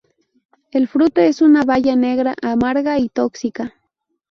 El fruto es una baya negra, amarga y tóxica.